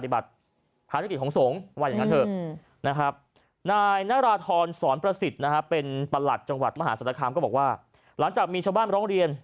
บอกว่าหลังจากมีชะบานไปร้องเรียน